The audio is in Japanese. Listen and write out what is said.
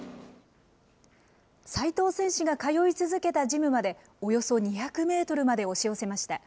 齋藤選手が通い続けたジムまでおよそ２００メートルまで押し寄せました。